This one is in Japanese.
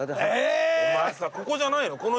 ここじゃないの？